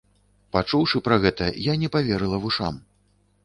Пачуўшы пра гэта, я не паверыла вушам.